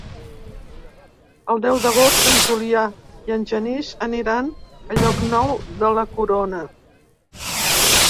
El deu d'agost en Julià i en Genís aniran a Llocnou de la Corona.